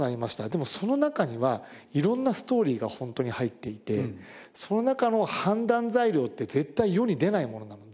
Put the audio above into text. でもその中には色んなストーリーがホントに入っていてその中の判断材料って絶対世に出ないものなので。